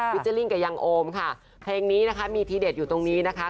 วิจารณ์หรืออย่างอมค่ะเพลงนี้นะคะมีทีเดทอยู่ตรงนี้นะคะ